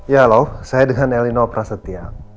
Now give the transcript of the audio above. ya aloh saya dengan elinopra setia